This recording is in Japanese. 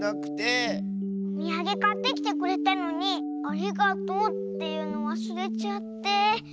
おみやげかってきてくれたのに「ありがとう」っていうのわすれちゃって。